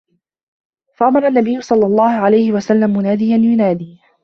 فَأَمَرَ النَّبِيُّ صَلَّى اللَّهُ عَلَيْهِ وَسَلَّمَ مُنَادِيًا يُنَادِي